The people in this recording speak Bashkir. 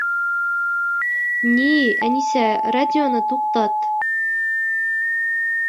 Ни, Әнисә, радионы туҡтат.